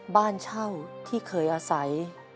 บ้านเช่าที่เคยอาศัย